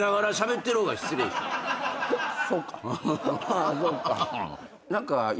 あっそっか。